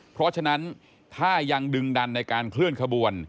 เพราะฉะนั้นถ้ายังดึงดันในการเคลื่อนขบวน